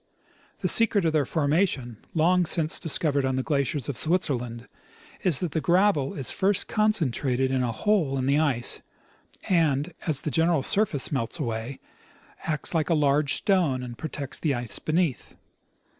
The secret of their formation, long since discovered on the glaciers of Switzerland, is that the gravel is first concentrated in a hole in the ice and, as the general surface melts away, acts like a large stone and protects the ice beneath.